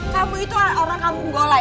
kamu itu orang kamu golai